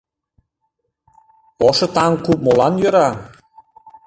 Ошыт аҥ куп молан йӧра?